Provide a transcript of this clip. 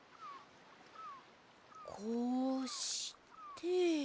こうして。